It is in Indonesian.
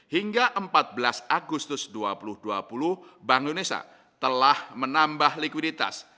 hingga empat belas agustus dua ribu dua puluh bank indonesia telah menambah likuiditas